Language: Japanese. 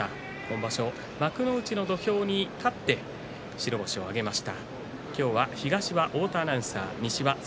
今場所、幕内の土俵に立って白星を挙げました。